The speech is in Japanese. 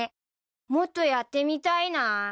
もっとやってみたいな。